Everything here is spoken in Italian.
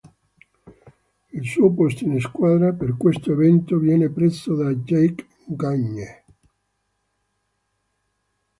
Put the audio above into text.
Il suo posto in squadra, per questo evento, viene preso da Jake Gagne.